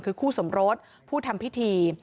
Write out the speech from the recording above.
คือคู่สมรสผู้ทำพิธี